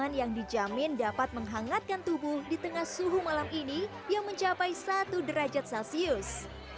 makanan yang dijamin dapat menghangatkan tubuh di tengah suhu malam ini yang mencapai satu derajat celcius